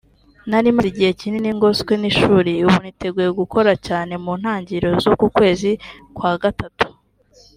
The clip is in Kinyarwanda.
narimaze igihe kinini ngoswe n’ishuri ubu niteguye gukora cyane mu ntangiriro z’uku kwezi kwagatatu”